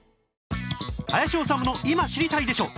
『林修の今知りたいでしょ！』